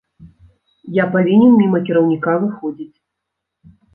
Я павінен міма кіраўніка выходзіць.